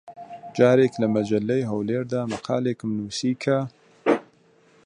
جارێک لە مەجەللەی هەولێر دا مەقالێکم نووسی کە: